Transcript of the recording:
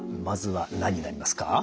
まずは何になりますか？